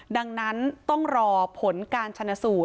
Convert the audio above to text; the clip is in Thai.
ดังนั้นต้องรอผลการชนะสูตร